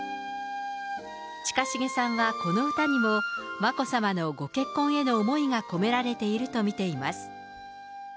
近重さんはこの歌にも眞子さまのご結婚への思いが込められていると見ています。